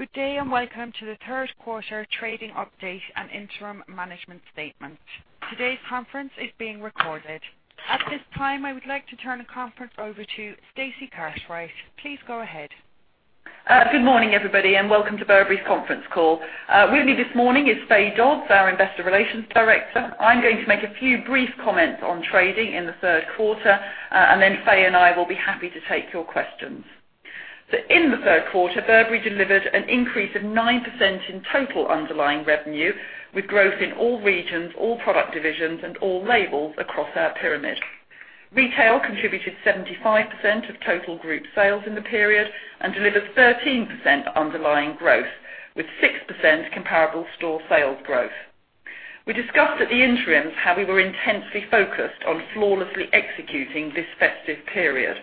Good day, welcome to the third quarter trading update and interim management statement. Today's conference is being recorded. At this time, I would like to turn the conference over to Stacey Cartwright. Please go ahead. Good morning, everybody, welcome to Burberry's conference call. With me this morning is Fay Dodds, our investor relations director. I'm going to make a few brief comments on trading in the third quarter, then Fay and I will be happy to take your questions. In the third quarter, Burberry delivered an increase of 9% in total underlying revenue, with growth in all regions, all product divisions, and all labels across our pyramid. Retail contributed 75% of total group sales in the period and delivered 13% underlying growth, with 6% comparable store sales growth. We discussed at the interims how we were intensely focused on flawlessly executing this festive period.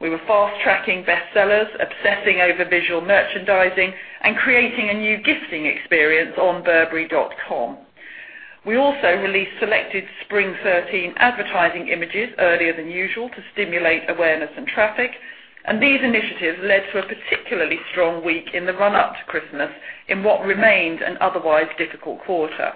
We were fast-tracking bestsellers, obsessing over visual merchandising, and creating a new gifting experience on burberry.com. We also released selected Spring '13 advertising images earlier than usual to stimulate awareness and traffic, these initiatives led to a particularly strong week in the run-up to Christmas in what remained an otherwise difficult quarter.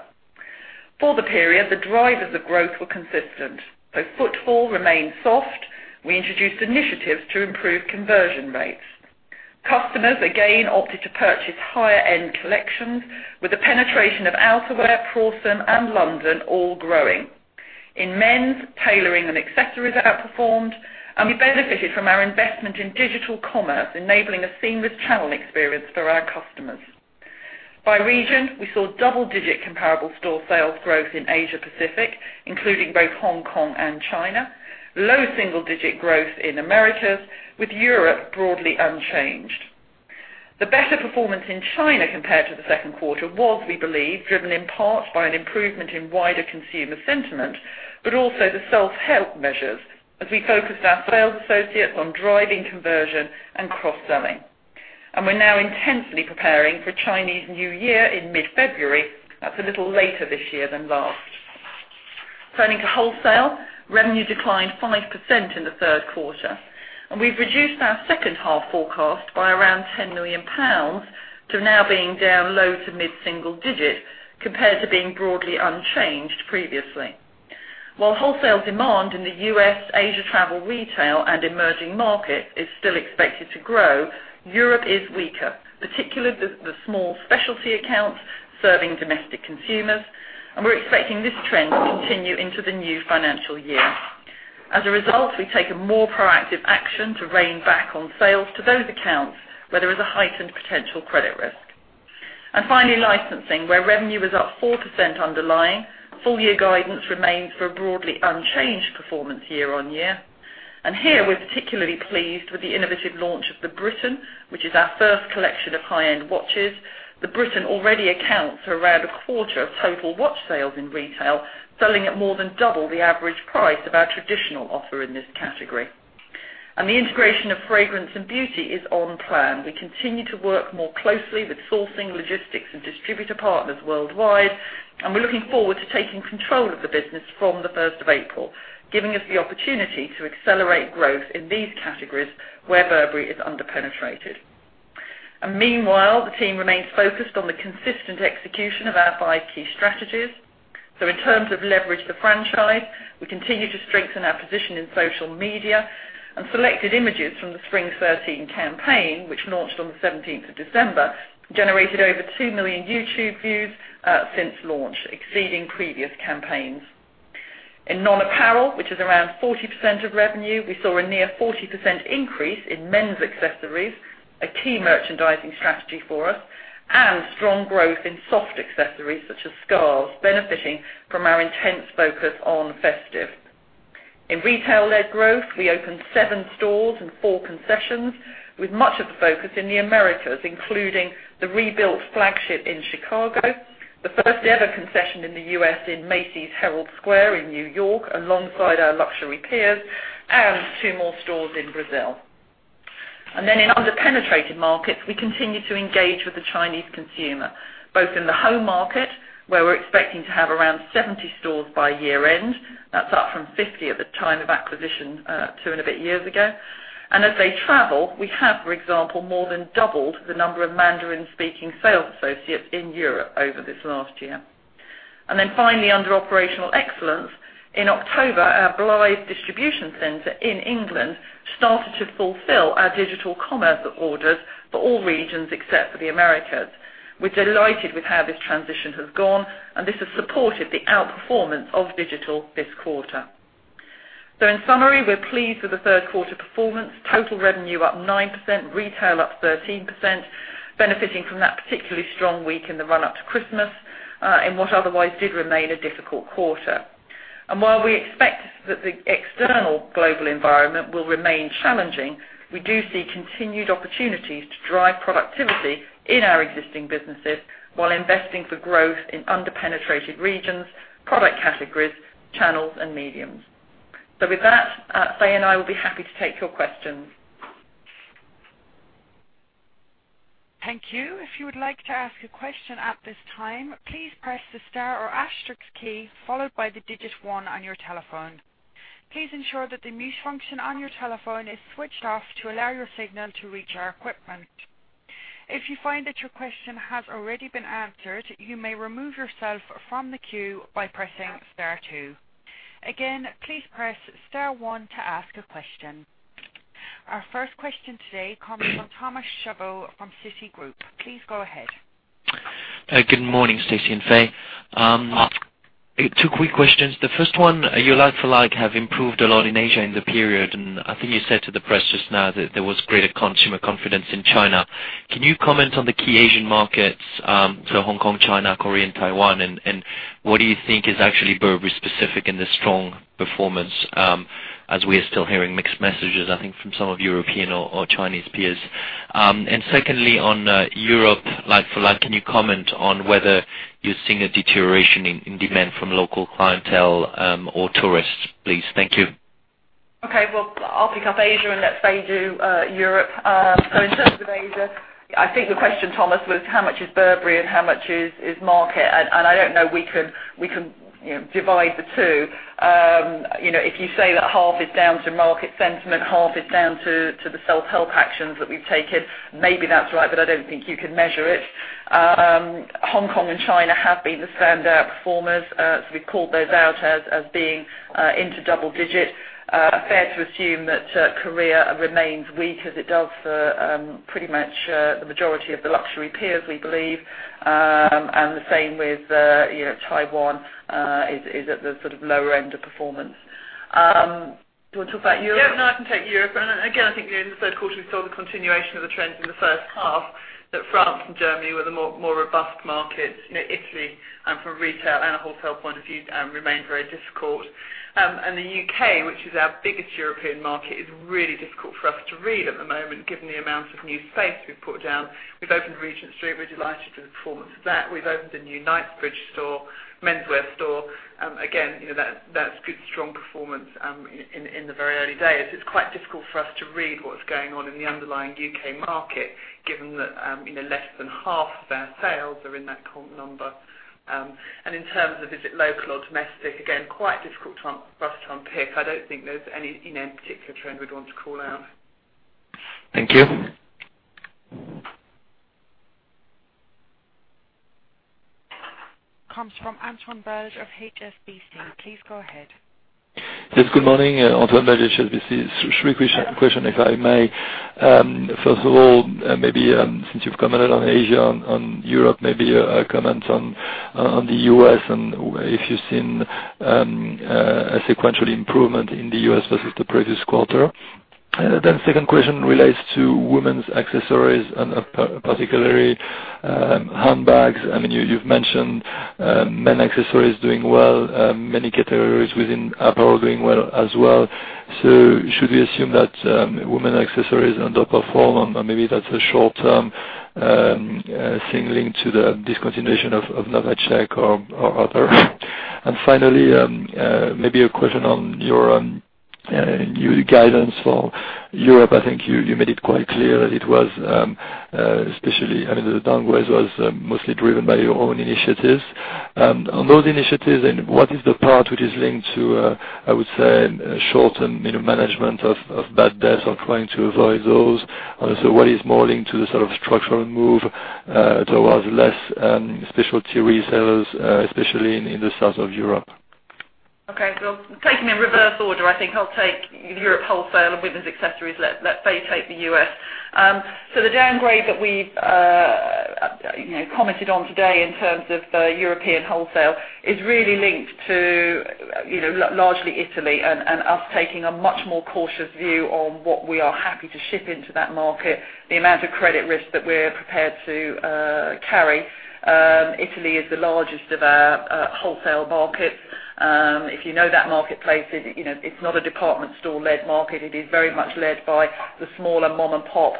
For the period, the drivers of growth were consistent. Though footfall remained soft, we introduced initiatives to improve conversion rates. Customers again opted to purchase higher-end collections, with the penetration of outerwear, Prorsum, and London all growing. In men's, tailoring and accessories outperformed, we benefited from our investment in digital commerce, enabling a seamless channel experience for our customers. By region, we saw double-digit comparable store sales growth in Asia Pacific, including both Hong Kong and China, low single-digit growth in Americas, with Europe broadly unchanged. The better performance in China compared to the second quarter was, we believe, driven in part by an improvement in wider consumer sentiment, also the self-help measures as we focused our sales associates on driving conversion and cross-selling. We're now intensely preparing for Chinese New Year in mid-February. That's a little later this year than last. Turning to wholesale, revenue declined 5% in the third quarter, we've reduced our second half forecast by around 10 million pounds to now being down low to mid single-digit, compared to being broadly unchanged previously. While wholesale demand in the U.S., Asia travel retail, and emerging markets is still expected to grow, Europe is weaker, particularly the small specialty accounts serving domestic consumers, we're expecting this trend to continue into the new financial year. As a result, we've taken more proactive action to rein back on sales to those accounts where there is a heightened potential credit risk. Finally, licensing, where revenue was up 4% underlying. Full-year guidance remains for a broadly unchanged performance year-over-year. Here, we're particularly pleased with the innovative launch of The Britain, which is our first collection of high-end watches. The Britain already accounts for around a quarter of total watch sales in retail, selling at more than double the average price of our traditional offer in this category. The integration of fragrance and beauty is on plan. We continue to work more closely with sourcing, logistics, and distributor partners worldwide, and we're looking forward to taking control of the business from the 1st of April, giving us the opportunity to accelerate growth in these categories where Burberry is underpenetrated. Meanwhile, the team remains focused on the consistent execution of our five key strategies. In terms of leverage the franchise, we continue to strengthen our position in social media, and selected images from the Spring '13 campaign, which launched on the 17th of December, generated over 2 million YouTube views since launch, exceeding previous campaigns. In non-apparel, which is around 40% of revenue, we saw a near 40% increase in men's accessories, a key merchandising strategy for us, and strong growth in soft accessories such as scarves, benefiting from our intense focus on festive. In retail led growth, we opened seven stores and four concessions, with much of the focus in the Americas, including the rebuilt flagship in Chicago, the first ever concession in the U.S. in Macy's Herald Square in New York alongside our luxury peers, and two more stores in Brazil. In underpenetrated markets, we continue to engage with the Chinese consumer, both in the home market, where we're expecting to have around 70 stores by year-end. That's up from 50 at the time of acquisition two and a bit years ago. As they travel, we have, for example, more than doubled the number of Mandarin-speaking sales associates in Europe over this last year. Finally, under operational excellence, in October, our Blyth distribution center in England started to fulfill our digital commerce orders for all regions except for the Americas. We're delighted with how this transition has gone, and this has supported the outperformance of digital this quarter. In summary, we're pleased with the third quarter performance. Total revenue up 9%, retail up 13%, benefiting from that particularly strong week in the run-up to Christmas, in what otherwise did remain a difficult quarter. While we expect that the external global environment will remain challenging, we do see continued opportunities to drive productivity in our existing businesses while investing for growth in underpenetrated regions, product categories, channels, and mediums. With that, Fay and I will be happy to take your questions. Thank you. If you would like to ask a question at this time, please press the star or asterisk key followed by the digit 1 on your telephone. Please ensure that the mute function on your telephone is switched off to allow your signal to reach our equipment. If you find that your question has already been answered, you may remove yourself from the queue by pressing star 2. Again, please press star 1 to ask a question. Our first question today comes from Thomas Chauvet from Citigroup. Please go ahead. Good morning, Stacey and Fay. Two quick questions. The first one, your like-for-like have improved a lot in Asia in the period, and I think you said to the press just now that there was greater consumer confidence in China. Can you comment on the key Asian markets, so Hong Kong, China, Korea, and Taiwan, and what do you think is actually Burberry specific in this strong performance? As we are still hearing mixed messages, I think, from some of European or Chinese peers. Secondly, on Europe like-for-like, can you comment on whether you're seeing a deterioration in demand from local clientele or tourists, please? Thank you. Okay. Well, I'll pick up Asia, and let Fay do Europe. In terms of Asia, I think the question, Thomas, was how much is Burberry and how much is market? I don't know we can divide the two. If you say that half is down to market sentiment, half is down to the self-help actions that we've taken, maybe that's right, but I don't think you can measure it. Hong Kong and China have been the standout performers, so we've called those out as being into double digits. Fair to assume that Korea remains weak as it does for pretty much the majority of the luxury peers, we believe. The same with Taiwan is at the sort of lower end of performance. Do you want to talk about Europe? Yeah, no, I can take Europe. Again, I think in the third quarter, we saw the continuation of the trends in the first half that France and Germany were the more robust markets. Italy, from retail and a wholesale point of view, remained very difficult. The U.K., which is our biggest European market, is really difficult for us to read at the moment given the amount of new space we've put down. We've opened Regent Street. We're delighted with the performance of that. We've opened a new Knightsbridge store, menswear store. Again, that's good, strong performance in the very early days. It's quite difficult for us to read what's going on in the underlying U.K. market, given that less than half of our sales are in that comp number. In terms of is it local or domestic, again, quite difficult for us to unpick. I don't think there's any particular trend we'd want to call out. Thank you. Comes from Antoine Belge of HSBC. Please go ahead. Yes, good morning. Antoine Belge, HSBC. Three question, if I may. First of all, maybe since you've commented on Asia and Europe, maybe a comment on the U.S. and if you've seen a sequential improvement in the U.S. versus the previous quarter. Second question relates to women's accessories and particularly handbags. You've mentioned men accessories doing well, many categories within apparel doing well as well. Should we assume that women accessories underperform, or maybe that's a short-term thing linked to the discontinuation of Nova Check or other? Finally, maybe a question on your new guidance for Europe. I think you made it quite clear that it was especially, the downgrades was mostly driven by your own initiatives. On those initiatives, and what is the part which is linked to, I would say, short-term management of bad debts or trying to avoid those? What is more linked to the sort of structural move towards less specialty resellers, especially in the south of Europe? Okay. Taking in reverse order, I think I'll take Europe wholesale and women's accessories. Let Fay take the U.S. The downgrade that we've commented on today in terms of European wholesale is really linked to largely Italy and us taking a much more cautious view on what we are happy to ship into that market, the amount of credit risk that we're prepared to carry. Italy is the largest of our wholesale markets. If you know that marketplace, it's not a department store-led market. It is very much led by the smaller mom-and-pop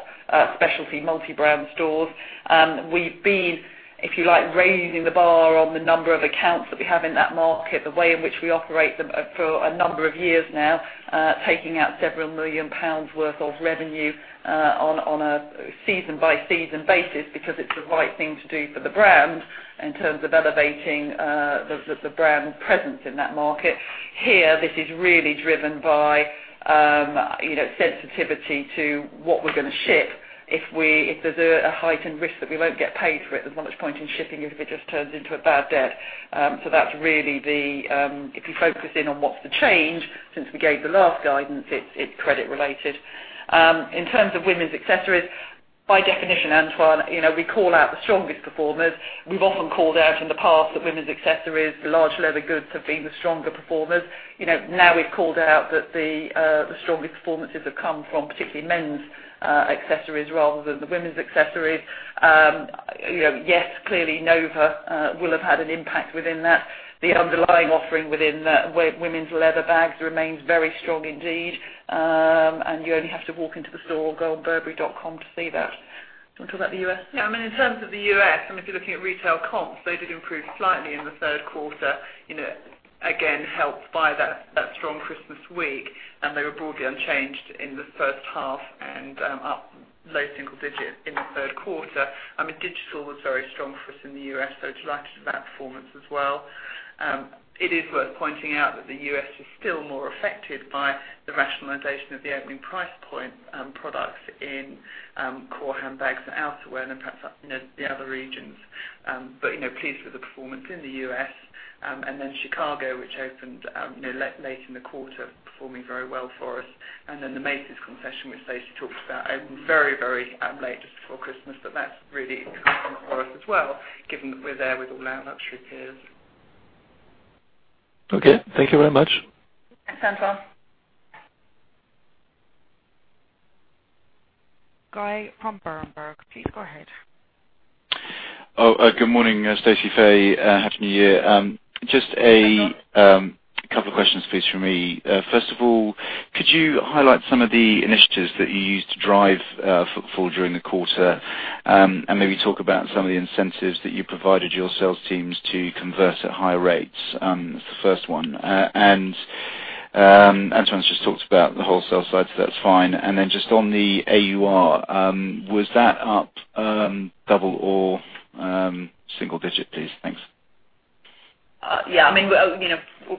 specialty multi-brand stores. We've been, if you like, raising the bar on the number of accounts that we have in that market, the way in which we operate them for a number of years now, taking out several million GBP worth of revenue on a season-by-season basis because it's the right thing to do for the brand in terms of elevating the brand presence in that market. Here, this is really driven by sensitivity to what we're going to ship. If there's a heightened risk that we won't get paid for it, there's not much point in shipping it if it just turns into a bad debt. If you focus in on what's the change since we gave the last guidance, it's credit-related. In terms of women's accessories, by definition, Antoine, we call out the strongest performers. We've often called out in the past that women's accessories, the large leather goods have been the stronger performers. Now we've called out that the strongest performances have come from particularly men's accessories rather than the women's accessories. Yes, clearly Nova Check will have had an impact within that. The underlying offering within women's leather bags remains very strong indeed. You only have to walk into the store or go on burberry.com to see that. Do you want to talk about the U.S.? Yeah. In terms of the U.S., if you're looking at retail comps, they did improve slightly in the third quarter, again, helped by that strong Christmas week, and they were broadly unchanged in the first half and up low single digits in the third quarter. Digital was very strong for us in the U.S. Delighted with that performance as well. It is worth pointing out that the U.S. is still more affected by the rationalization of the opening price point products in core handbags and outerwear than perhaps the other regions. Pleased with the performance in the U.S. Chicago, which opened late in the quarter, performing very well for us. The Macy's concession, which Stacey talked about, opened very late just before Christmas. That's really important for us as well, given that we're there with all our luxury peers. Okay. Thank you very much. Thanks, Antoine. Guy from Berenberg, please go ahead. Good morning, Stacey, Fay. Happy New Year. Just a couple questions, please, from me. First of all, could you highlight some of the initiatives that you used to drive footfall during the quarter, and maybe talk about some of the incentives that you provided your sales teams to convert at higher rates? That's the first one. Antoine's just talked about the wholesale side, so that's fine. Then just on the AUR, was that up double or single digit, please? Thanks. Yeah.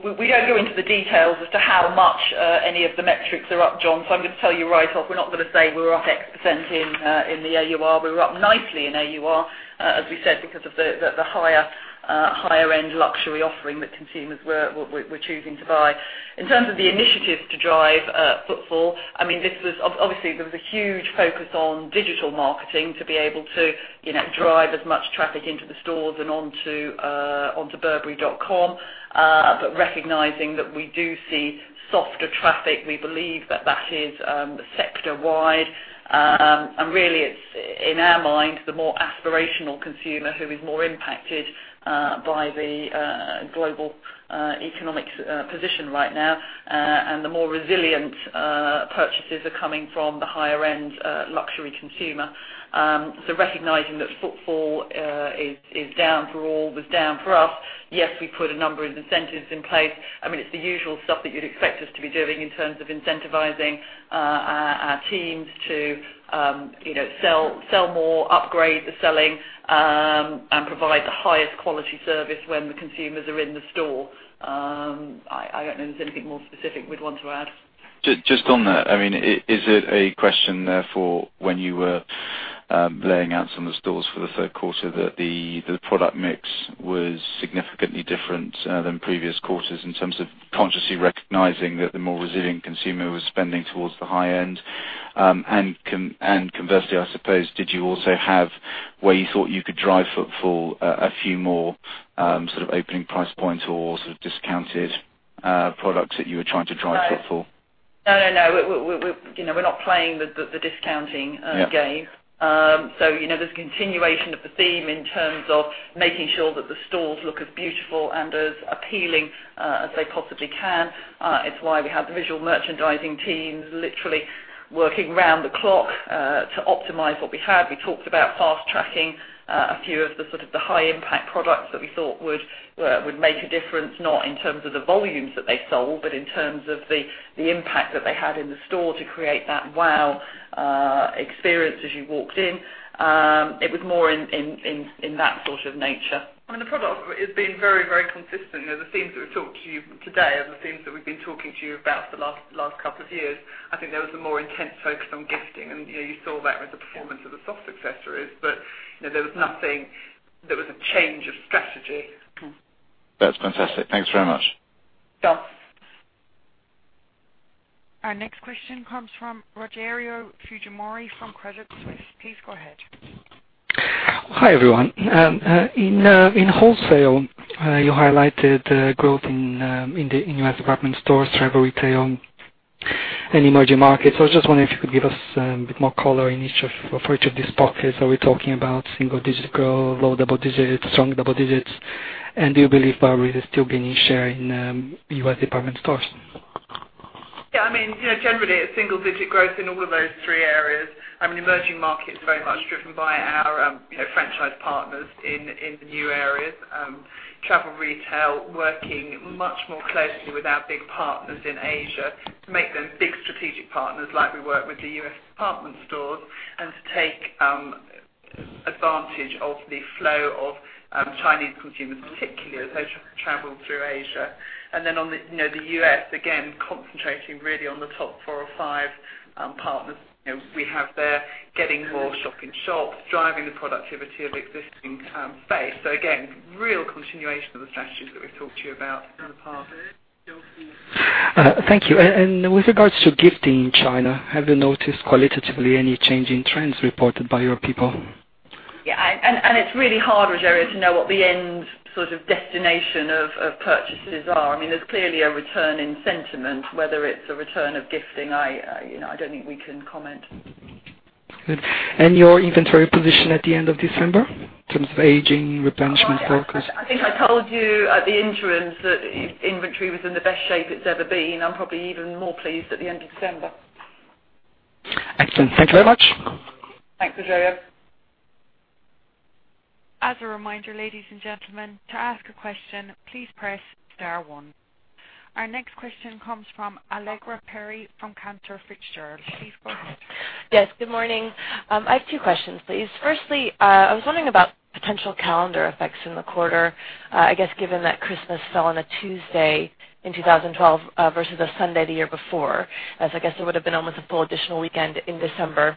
We don't go into the details as to how much any of the metrics are up, John, so I'm going to tell you right off, we're not going to say we're up X% in the AUR. We're up nicely in AUR, as we said, because of the higher-end luxury offering that consumers were choosing to buy. In terms of the initiatives to drive footfall, obviously, there was a huge focus on digital marketing to be able to drive as much traffic into the stores and onto burberry.com. Recognizing that we do see softer traffic, we believe that is sector-wide. Really, it's, in our mind, the more aspirational consumer who is more impacted by the global economic position right now, and the more resilient purchases are coming from the higher-end luxury consumer. Recognizing that footfall is down for all, was down for us. Yes, we put a number of incentives in place. It's the usual stuff that you'd expect us to be doing in terms of incentivizing our teams to sell more, upgrade the selling, and provide the highest quality service when the consumers are in the store. I don't know if there's anything more specific we'd want to add. Just on that, is it a question, therefore, when you were laying out some of the stores for the third quarter, that the product mix was significantly different than previous quarters in terms of consciously recognizing that the more resilient consumer was spending towards the high end? Conversely, I suppose, did you also have where you thought you could drive footfall a few more opening price points or discounted products that you were trying to drive footfall? No. We're not playing the discounting game. Yeah. There's a continuation of the theme in terms of making sure that the stores look as beautiful and as appealing as they possibly can. It's why we have the visual merchandising teams literally working around the clock to optimize what we had. We talked about fast-tracking a few of the high-impact products that we thought would make a difference, not in terms of the volumes that they sold, but in terms of the impact that they had in the store to create that wow experience as you walked in. It was more in that sort of nature. The product has been very consistent. The themes that we've talked to you today are the themes that we've been talking to you about for the last couple of years. I think there was a more intense focus on gifting, and you saw that with the performance of the soft accessories. There was nothing that was a change of strategy. That's fantastic. Thanks very much. Sure. Our next question comes from Rogerio Fujimori from Credit Suisse. Please go ahead. Hi, everyone. In wholesale, you highlighted growth in U.S. department stores, travel retail, and emerging markets. I was just wondering if you could give us a bit more color for each of these pockets. Are we talking about single-digit growth, low double digits, strong double digits? Do you believe Burberry is still gaining share in U.S. department stores? Generally, a single-digit growth in all of those three areas. Emerging markets, very much driven by our franchise partners in the new areas. Travel retail, working much more closely with our big partners in Asia to make them big strategic partners like we work with the U.S. department stores, and to take advantage of the flow of Chinese consumers, particularly as they travel through Asia. Then on the U.S., again, concentrating really on the top four or five partners we have there, getting more shop-in-shops, driving the productivity of existing space. Again, real continuation of the strategies that we've talked to you about in the past. Thank you. With regards to gifting in China, have you noticed qualitatively any change in trends reported by your people? It's really hard, Rogerio, to know what the end destination of purchases are. There's clearly a return in sentiment. Whether it's a return of gifting, I don't think we can comment. Good. Your inventory position at the end of December in terms of aging, replenishment focus? I think I told you at the interims that inventory was in the best shape it's ever been. I'm probably even more pleased at the end of December. Excellent. Thank you very much. Thanks, Rogerio. As a reminder, ladies and gentlemen, to ask a question, please press star one. Our next question comes from Allegra Perry from Cantor Fitzgerald. Please go ahead. Yes, good morning. I have two questions, please. Firstly, I was wondering about potential calendar effects in the quarter. I guess given that Christmas fell on a Tuesday in 2012 versus a Sunday the year before, as I guess there would've been almost a full additional weekend in December.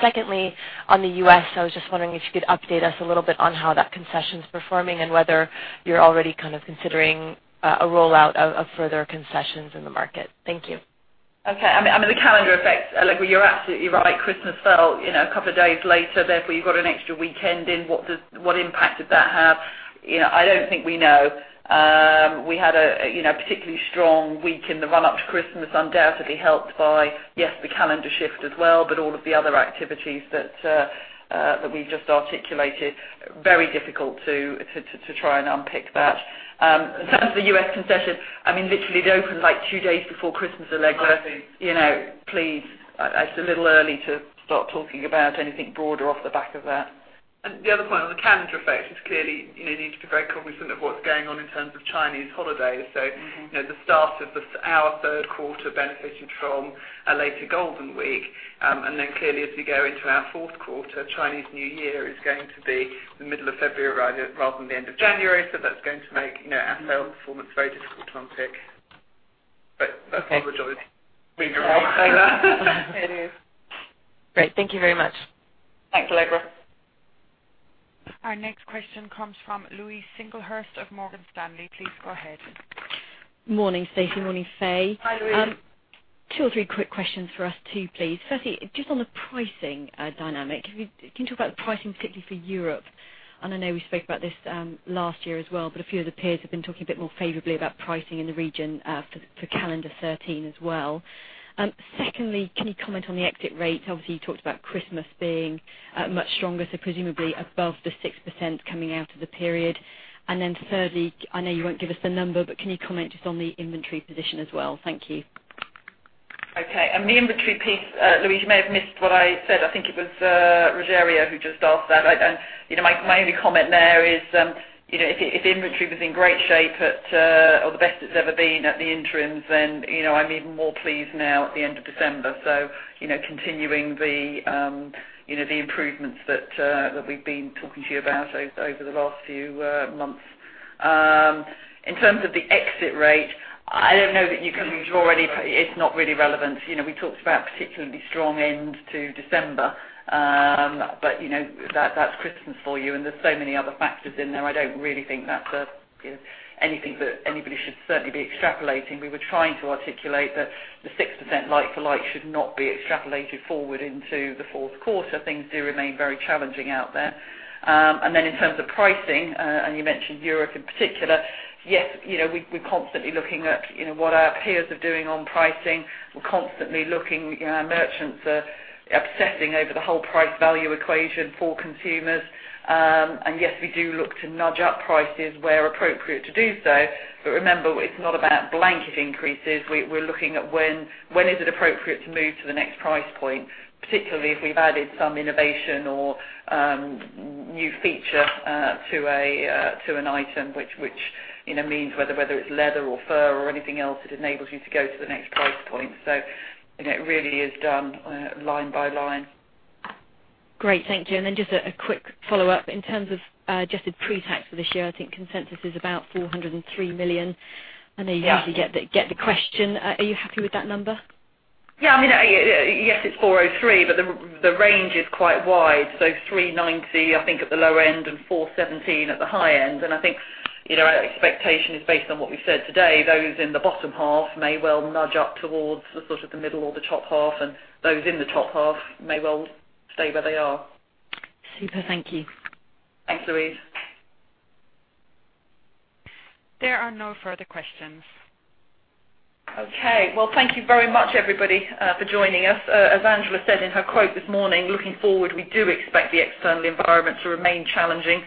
Secondly, on the U.S., I was just wondering if you could update us a little bit on how that concession's performing and whether you're already considering a rollout of further concessions in the market. Thank you. Okay. The calendar effect, Allegra, you're absolutely right. Christmas fell a couple of days later, therefore you've got an extra weekend in. What impact did that have? I don't think we know. We had a particularly strong week in the run-up to Christmas, undoubtedly helped by, yes, the calendar shift as well, but all of the other activities that we've just articulated. Very difficult to try and unpick that. In terms of the U.S. concession, literally it opened two days before Christmas, Allegra. Please, it's a little early to start talking about anything broader off the back of that. The other point on the calendar effect is clearly you need to be very cognizant of what's going on in terms of Chinese holidays. The start of our third quarter benefited from a later Golden Week. Clearly as we go into our fourth quarter, Chinese New Year is going to be the middle of February rather than the end of January. That's going to make our sales performance very difficult to unpick. I apologize. We can all say that. It is. Great. Thank you very much. Thanks, Allegra. Our next question comes from Louise Singlehurst of Morgan Stanley. Please go ahead. Morning, Stacey. Morning, Fay. Hi, Louise. Two or three quick questions for us too, please. Firstly, just on the pricing dynamic, can you talk about the pricing particularly for Europe? I know we spoke about this last year as well, but a few of the peers have been talking a bit more favorably about pricing in the region for calendar 2013 as well. Secondly, can you comment on the exit rate? Obviously, you talked about Christmas being much stronger, so presumably above the 6% coming out of the period. Thirdly, I know you won't give us the number, but can you comment just on the inventory position as well? Thank you. Okay. On the inventory piece, Louise, you may have missed what I said. I think it was Rogerio who just asked that. My only comment there is, if the inventory was in great shape or the best it's ever been at the interims, then I'm even more pleased now at the end of December. Continuing the improvements that we've been talking to you about over the last few months. In terms of the exit rate, I don't know that you can- It's not really relevant. It's not really relevant. We talked about a particularly strong end to December. That's Christmas for you, and there's so many other factors in there. I don't really think that's anything that anybody should certainly be extrapolating. We were trying to articulate that the 6% like-for-like should not be extrapolated forward into the fourth quarter. Things do remain very challenging out there. In terms of pricing, and you mentioned Europe in particular, yes, we're constantly looking at what our peers are doing on pricing. We're constantly looking. Our merchants are obsessing over the whole price value equation for consumers. Yes, we do look to nudge up prices where appropriate to do so. Remember, it's not about blanket increases. We're looking at when is it appropriate to move to the next price point, particularly if we've added some innovation or new feature to an item, which means whether it's leather or fur or anything else, it enables you to go to the next price point. It really is done line by line. Great. Thank you. Then just a quick follow-up. In terms of adjusted pre-tax for this year, I think consensus is about 403 million. Yeah. I know you usually get the question. Are you happy with that number? Yeah. Yes, it's 403, but the range is quite wide, so 390 I think at the low end and 417 at the high end. I think our expectation is based on what we've said today. Those in the bottom half may well nudge up towards the sort of the middle or the top half, and those in the top half may well stay where they are. Super. Thank you. Thanks, Louise. There are no further questions. Okay. Well, thank you very much, everybody, for joining us. As Angela said in her quote this morning, looking forward, we do expect the external environment to remain challenging.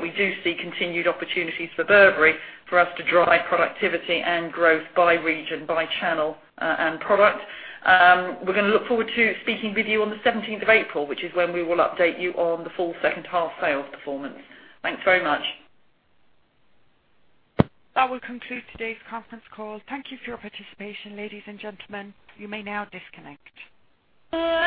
We do see continued opportunities for Burberry for us to drive productivity and growth by region, by channel, and product. We're going to look forward to speaking with you on the 17th of April, which is when we will update you on the full second half sales performance. Thanks very much. That will conclude today's conference call. Thank you for your participation, ladies and gentlemen. You may now disconnect.